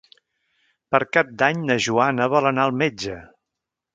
Per Cap d'Any na Joana vol anar al metge.